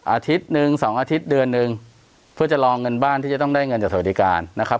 อาทิตย์หนึ่งสองอาทิตย์เดือนหนึ่งเพื่อจะรอเงินบ้านที่จะต้องได้เงินจากสวัสดิการนะครับ